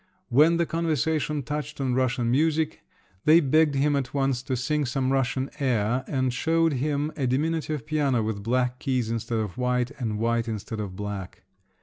When the conversation touched on Russian music, they begged him at once to sing some Russian air and showed him a diminutive piano with black keys instead of white and white instead of black.